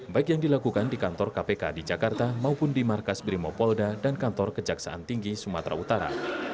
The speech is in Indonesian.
baik yang dilakukan di kantor kpk di jakarta maupun di markas brimopolda dan kantor kejaksaan tinggi sumatera utara